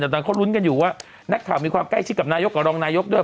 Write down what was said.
แต่ตอนเขาลุ้นกันอยู่ว่านักข่าวมีความใกล้ชิดกับนายกกับรองนายกด้วย